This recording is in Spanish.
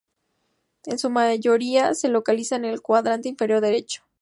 En su mayoría, se localiza en el cuadrante inferior derecho.